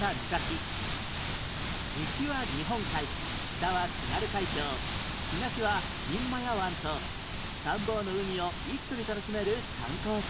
西は日本海北は津軽海峡東は三厩湾と三方の海を一挙に楽しめる観光スポット